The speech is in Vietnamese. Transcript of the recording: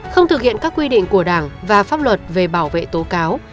không thực hiện các quy định của đảng và pháp luật về bảo vệ tố cáo